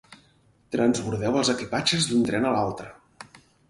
Transbordeu els equipatges d'un tren a l'altre.